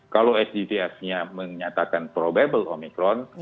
kalau sgtsnya menyatakan probable omikron